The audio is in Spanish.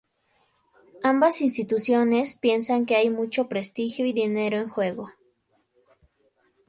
Ambas instituciones piensan que hay mucho prestigio y dinero en juego.